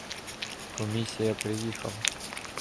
— Комісія приїхала.